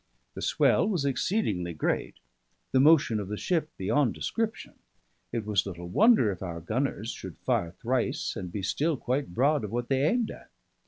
The swell was exceedingly great; the motion of the ship beyond description; it was little wonder if our gunners should fire thrice and be still quite broad of what they aimed at.